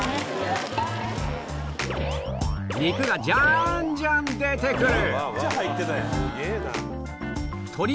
肉がジャンジャン出てくる！